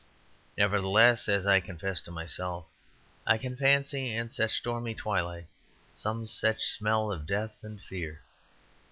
Nevertheless (as I confessed to myself) I can fancy in such a stormy twilight some such smell of death and fear.